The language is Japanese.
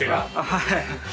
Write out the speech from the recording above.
はい。